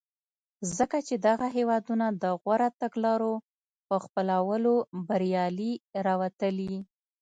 ځکه چې دغه هېوادونه د غوره تګلارو په خپلولو بریالي راوتلي.